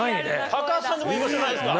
高橋さんでも居場所ないですか。